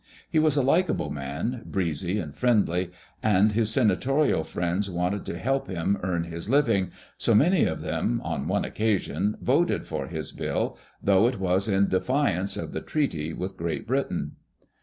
He was a likable man, breezy and friendly, and his senatorial friends wanted to help him earn his living, so many of them, on one occasion, voted for his bill, though it was in defiance of the treaty with Great Britain.